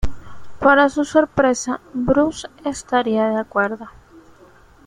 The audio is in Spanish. Para su sorpresa, Bruce estaría de acuerdo.